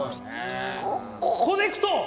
ココネクト！